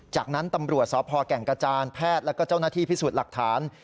จากนั้นตำรวจสพแก่งกระจานแพทย์แล้วก็เจ้าหน้าที่พิสูจน์หลักฐาน